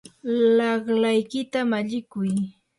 laqlaykita mallikuy.